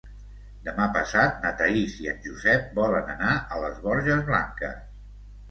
Demà passat na Thaís i en Josep volen anar a les Borges Blanques.